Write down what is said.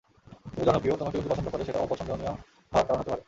তুমি জনপ্রিয়, তোমাকে লোকে পছন্দ করে, সেটাও অপছন্দনীয় হওয়ার কারণ হতে পারে।